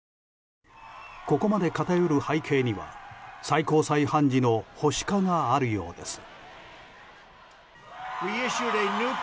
ここまで偏る背景には最高裁判事の保守化があるようです。